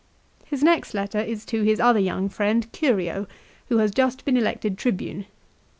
His next letter is to his other young friend Curio, who has just been elected Tribune.